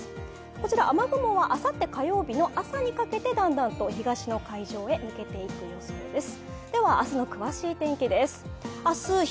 こちら雨雲はあさって火曜日の朝にかけて、だんだんたと東の海上へ抜けていく予想です。